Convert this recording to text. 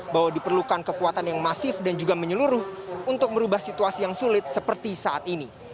bahwa diperlukan kekuatan yang masif dan juga menyeluruh untuk merubah situasi yang sulit seperti saat ini